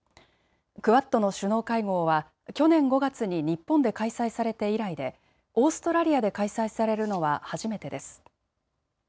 クアッドの首脳会合は去年５月に日本で開催されて以来でオーストラリアで開催されるのは初めてです。